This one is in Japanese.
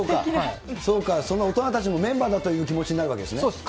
そうか、その大人たちもメンバーだという気持ちになるわけでそうです。